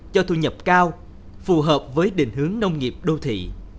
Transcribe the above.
cho thu nhập cao phù hợp với định hướng nông nghiệp đô thị